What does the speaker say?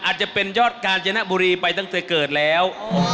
อาจจะเป็นยอดกาญจนบุรีไปตั้งแต่เกิดแล้ว